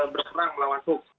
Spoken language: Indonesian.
berperang melawan hoaks